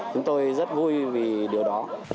chúng tôi rất vui vì điều đó